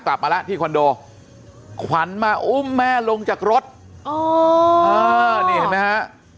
กลับมาแล้วที่คอนโดขวัญมาอุ้มแม่ลงจากรถอ๋อนี่เห็นไหมฮะ